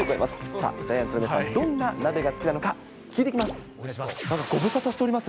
さあ、ジャイアンツの皆さん、どんな鍋が好きなのか、聞いてきます。